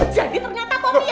jadi ternyata popi ya